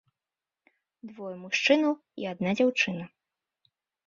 Двое мужчынаў і адна дзяўчына.